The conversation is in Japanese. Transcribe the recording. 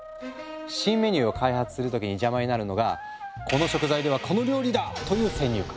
新メニューを開発する時に邪魔になるのが「この食材ではこの料理だ」という先入観。